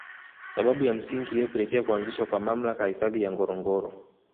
Sababu ya msingi iliyopelekea kuanzishwa kwa mamlaka ya Hifadhi ya Ngorongoro